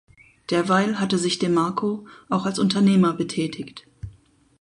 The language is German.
Derweil hatte sich Demarco auch als Unternehmer betätigt.